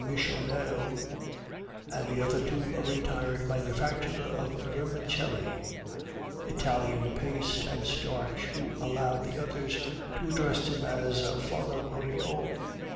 Michonneau, and the other to a retired manufacturer of vermicelli, Italian paste and starch, who allowed the others to address him as "Father Goriot."